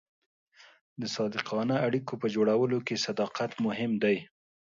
د صادقانه اړیکو په جوړولو کې صداقت مهم دی.